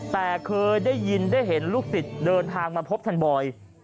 แต่เคยได้ยินได้เห็นลูกศิษย์เดินทางมาพบท่านบอย